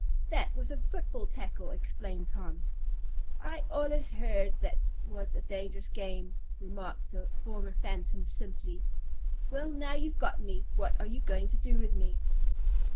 "That was a football tackle," explained Tom. "I allers heard that was a dangerous game!" remarked the former phantom simply. "Well, now you've got me, what are you going to do with me?"